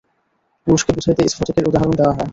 পুরুষকে বুঝাইতে স্ফটিকের উদাহরণ দেওয়া হয়।